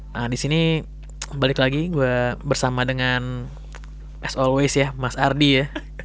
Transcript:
nah disini balik lagi gue bersama dengan as always ya mas ardi ya